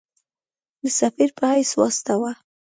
د سفیر په حیث واستاوه.